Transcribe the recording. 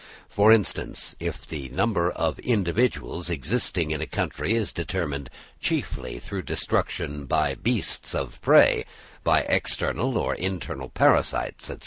For instance, if the number of individuals existing in a country is determined chiefly through destruction by beasts of prey—by external or internal parasites, &c.